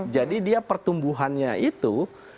jadi dia pertumbuhannya itu